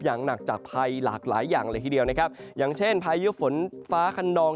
อย่างหนักจากภัยหลากหลายอย่างเลยทีเดียวนะครับอย่างเช่นพายุฝนฟ้าขนอง